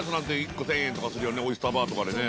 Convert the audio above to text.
オイスターバーとかでね